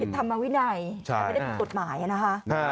ทำมาวินัยไม่ได้ปฏิบัติหมายนะคะ